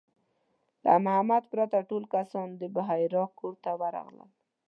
له محمد پرته ټول کسان د بحیرا کور ته ورغلل.